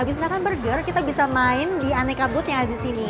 abis makan burger kita bisa main di aneka booth yang ada di sini